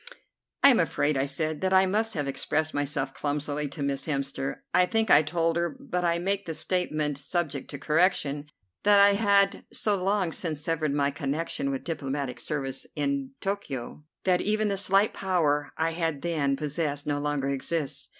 "I am afraid," I said, "that I must have expressed myself clumsily to Miss Hemster. I think I told her, but I make the statement subject to correction, that I had so long since severed my connection with diplomatic service in Tokio that even the slight power I then possessed no longer exists.